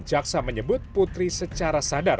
jaksa menyebut putri secara sadar